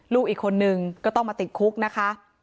ลูกอีกคนนึงก็ต้องมาติดคุกนะคะ